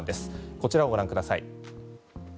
こちらをご覧ください。